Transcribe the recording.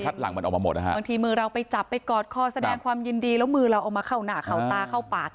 บางทีมือเราไปจับไปกอดข้อแสดงความยืนดีแล้วก็มือเราเอามาเข้าหน้าเขาตาเข้าปาก